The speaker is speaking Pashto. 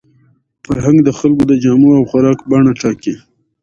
فرهنګ د خلکو د جامو او خوراک بڼه ټاکي.